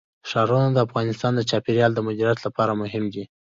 ښارونه د افغانستان د چاپیریال د مدیریت لپاره مهم دي.